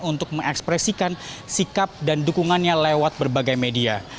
untuk mengekspresikan sikap dan dukungannya lewat berbagai media